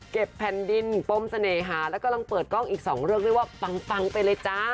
เก็บแผ่นดินนมป้มเสน่หาดังเปิดอีก๒เรื่องเลยว่าปังไปเลยจ้า